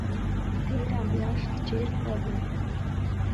تېره میاشت چیرته وئ؟